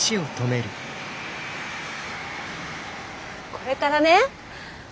これからね